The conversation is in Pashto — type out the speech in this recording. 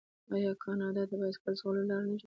آیا کاناډا د بایسکل ځغلولو لارې نه جوړوي؟